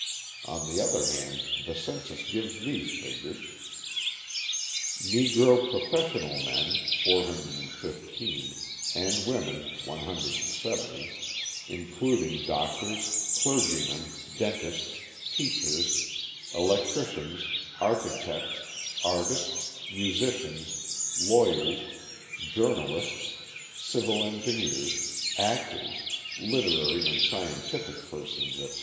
On the other hand the census gives these figures: Negro professional men (415) and women (170) including doctors, clergymen, dentists, teachers, electricians, architects, artists, musicians, lawyers, journalists, civil engineers, actors, literary and scientific persons, etc.